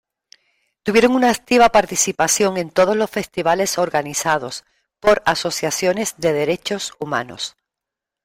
Tuvieron una activa participación en todos los festivales organizados por asociaciones de derechos humanos.